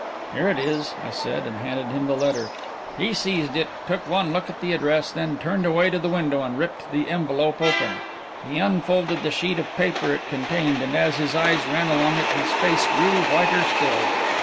"Here it is," I said, and handed him the letter. He seized it, took one look at the address, then turned away to the window and ripped the envelope open. He unfolded the sheet of paper it contained, and as his eyes ran along it, his face grew whiter still.